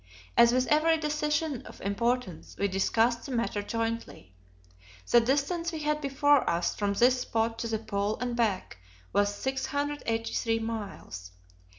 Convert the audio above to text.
As with every decision of importance, we discussed the matter jointly. The distance we had before us, from this spot to the Pole and back, was 683 miles.